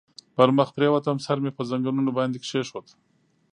پر مخ پرېوتم، سر مې پر زنګنو باندې کېښود.